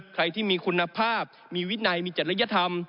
ใครที่มีคุณภาพมีวินัยมีจริยธรรม